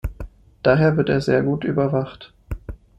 Daher wird er sehr gut überwacht.